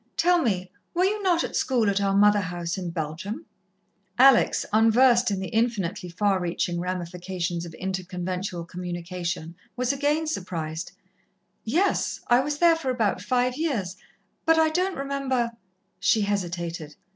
Tell me, were you not at school at our Mother house in Belgium?" Alex, unversed in the infinitely far reaching ramifications of inter conventual communication, was again surprised. "Yes, I was there for about five years, but I don't remember " She hesitated.